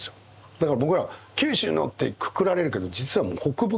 だから僕ら「九州の」ってくくられるけど実はもう北部九州。